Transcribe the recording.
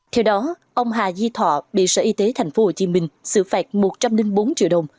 theo đó ông hà duy thọ bị sở y tế tp hcm xử phạt một trăm linh bốn triệu đồng